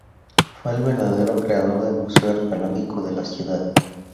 Fue el verdadero creador del Museo Arqueológico de la ciudad.